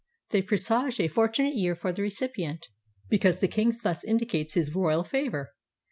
They presage a fortunate year for the recipient, because the king thus indicates his royal favor.